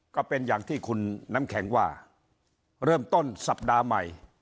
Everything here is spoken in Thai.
ก็เป็นอย่างที่คุณน้ำแข็งว่าเริ่มต้นสัปดาห์ใหม่